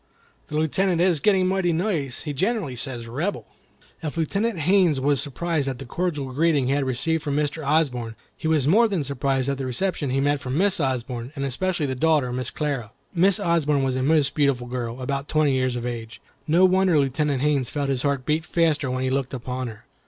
The Lieutenant is getting mighty nice; he generally says 'Rebel.' " If Lieutenant Haines was surprised at the cordial greeting he had received from Mr. Osborne, he was more than surprised at the reception he met from Mrs. Osborne, and especially the daughter, Miss Clara. Miss Osborne was a most beautiful girl, about twenty years of age. No wonder Lieutenant Haines felt his heart beat faster when he looked upon her.